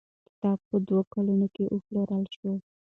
کتاب په دوو کلونو کې وپلورل شو.